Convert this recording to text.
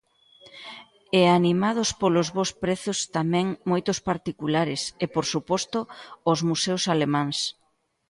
E animados polos bos prezos tamén moitos particulares e, por suposto, os museos alemáns.